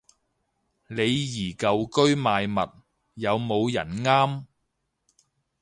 李怡舊居賣物，有冇人啱